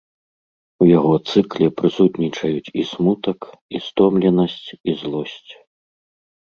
У яго цыкле прысутнічаюць і смутак, і стомленасць, і злосць.